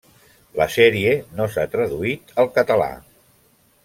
La sèrie no s'ha traduït al català.